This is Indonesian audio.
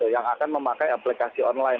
yang akan memakai aplikasi online